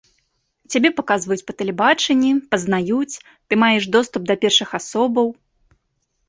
Цябе паказваюць па тэлебачанні, пазнаюць, ты маеш доступ да першых асобаў.